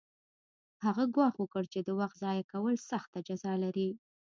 هغه ګواښ وکړ چې د وخت ضایع کول سخته جزا لري